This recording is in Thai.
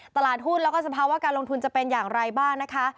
ตลาดหุ้นแล้วก็สภาวะการลงทุนจะเป็นอย่างไรบ้างนะคะ